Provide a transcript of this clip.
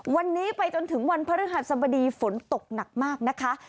วันนี้ไปจนถึงวันพฤหัสบดีฝนตกหนักมากนะคะ